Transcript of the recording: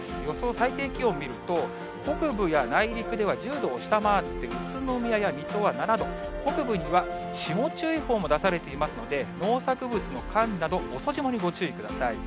最低気温見ると、北部や内陸では１０度を下回って、宇都宮や水戸は７度、北部には霜注意報も出されていますので、農作物の管理など、遅霜にご注意ください。